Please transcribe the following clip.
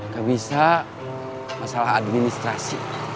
gak bisa masalah administrasi